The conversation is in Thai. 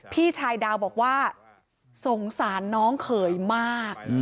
พี่ชายดาวบอกว่าสงสารน้องเขยมาก